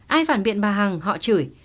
ai phản biện bà hằng họ chửi